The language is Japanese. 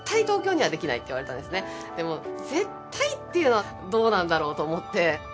でも絶対というのはどうなんだろうと思って。